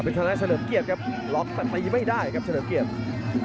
เป็นทางแรกเฉลิมเกียจครับล๊อคตัดไปไม่ได้ครับเฉลิมเกียจ